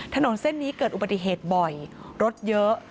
ถนนเส้นนี้เกิดอุบัติเหตุบ่อยรถเยอะ